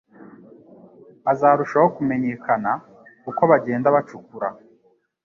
azarushaho kumenyekana uko bagenda bacukura.